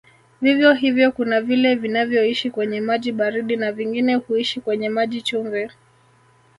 Vivyo hivyo kuna vile vinavyoishi kwenye maji baridi na vingine huishi kwenye maji chumvi